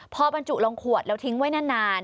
พอบรรจุลงขวดแล้วทิ้งไว้นาน